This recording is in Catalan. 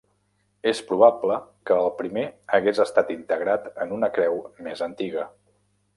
És probable que el primer hagués estat integrat en una creu més antiga.